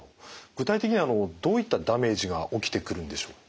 具体的にはどういったダメージが起きてくるんでしょう？